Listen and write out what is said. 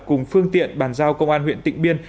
cùng phương tiện bàn giao công an huyện tịnh biên